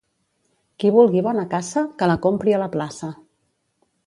Qui vulgui bona caça, que la compri a la plaça.